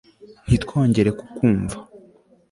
ntitwongere kukumva